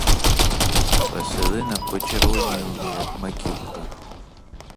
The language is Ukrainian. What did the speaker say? Василина почервоніла, як маківка.